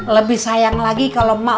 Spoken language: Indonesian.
lebih sayang lagi kalau mak